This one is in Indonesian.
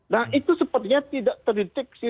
nah itu sepertinya tidak terdeteksi